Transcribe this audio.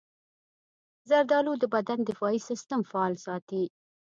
زردالو د بدن دفاعي سستم فعال ساتي.